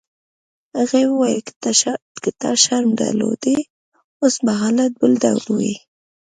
هغې وویل: که تا شرم درلودای اوس به حالات بل ډول وای.